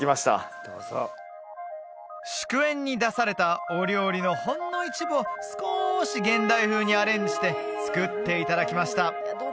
どうぞ祝宴に出されたお料理のほんの一部を少し現代風にアレンジして作っていただきました